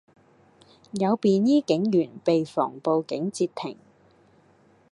有便衣警員被防暴警截停